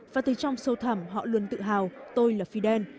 và từ trong sâu thẳm họ luôn tự hào tôi là fidel